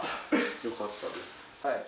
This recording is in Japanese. よかったです。